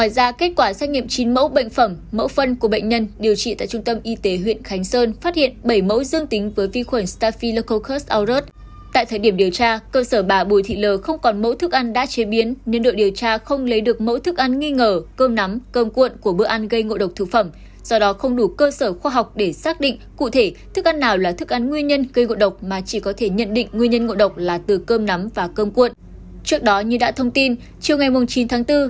các bạn hãy đăng ký kênh để ủng hộ kênh của chúng mình nhé